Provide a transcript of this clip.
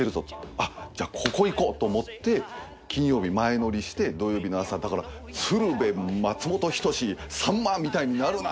あっじゃあここ行こうと思って金曜日前乗りして土曜日の朝だから鶴瓶松本人志さんまみたいになるな